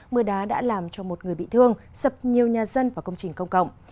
mưa đá đã làm cho một người bị thương sập nhiều nhà dân và công trình công cộng